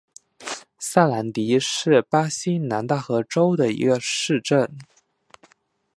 萨兰迪是巴西南大河州的一个市镇。